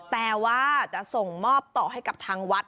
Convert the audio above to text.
แต่ว่าจะส่งมอบต่อให้กับทางวัด